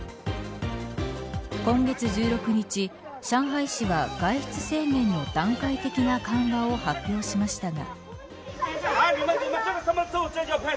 今月１６日、上海市は外出制限の段階的な緩和を発表しましたが。